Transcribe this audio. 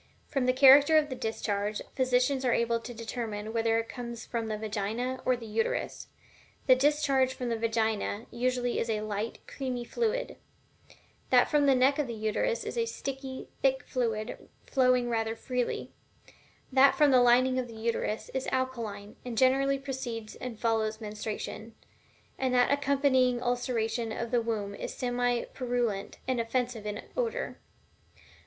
From the character of the discharge, physicians are able to determine whether it comes from the Vagina or the Uterus. The discharge from the Vagina usually is a light creamy fluid; that from the neck of the Uterus is a sticky, thick fluid flowing rather freely; that from the lining of the Uterus is alkaline, and generally precedes and follows menstruation; and that accompanying ulceration of the womb is semi purulent and offensive in odor.